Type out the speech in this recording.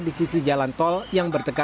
di sisi jalan tol yang bertekaran